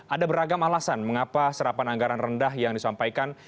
ada beragam alasan mengapa serapan anggaran rendah yang disampaikan